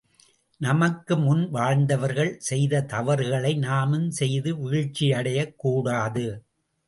நமக்கு முன் வாழ்ந்தவர்கள் செய்த தவறுகளை நாமும் செய்து வீழ்ச்சியடையக் கூடாது.